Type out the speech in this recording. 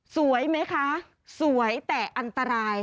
สวยไหมคะสวยแต่อันตราย